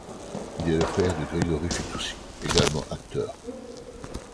Il est le frère de Grégory Fitoussi, également acteur.